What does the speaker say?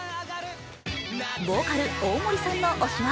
ボーカル・大森さんの推しは？